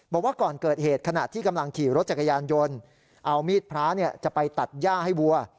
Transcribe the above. บอกว่าก่อนเกิดเหตุขณะที่กำลังขี่รถจักรยานยนต์เอามีดพระจะไปตัดย่าให้วัว